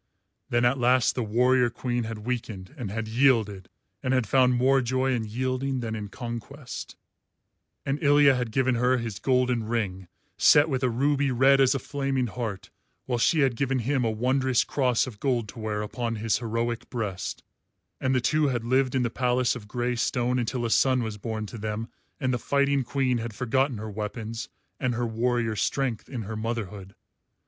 Then at last the warrior queen had weakened and had yielded, and had found more joy in yielding than in conquest; and Ilya had given her his golden ring set with a ruby red as a flaming heart, while she had given him a wondrous cross of gold to wear upon his heroic breast; and the two had lived in the palace of grey stone until a son was born to them and the fighting queen had forgotten her weapons and her warrior strength in her motherhood.